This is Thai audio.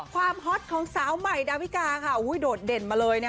ความฮอตของสาวใหม่ดาวิกาโดดเด่นมาเลย